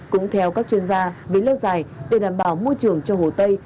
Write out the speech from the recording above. cũng theo các chuyên gia về lâu dài để đảm bảo môi trường cho hồ tây